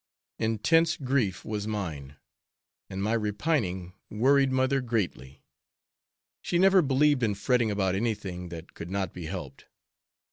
Intense grief was mine, and my repining worried mother greatly; she never believed in fretting about anything that could not be helped.